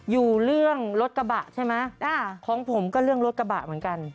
อยู่เรื่องรถกระบะใช่ไหมของผมก็เรื่องรถกระบะเหมือนกัน